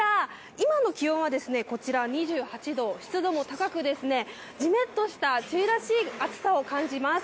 今の気温はこちら２８度、湿度も高く、じめっとした梅雨らしい暑さを感じます。